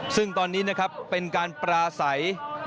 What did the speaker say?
ซึ่งตอนนี้นะครับเป็นการปราศัย